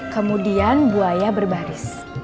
kemudian buaya berbaris